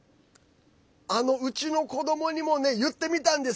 うちの子どもにも言ってみたんです。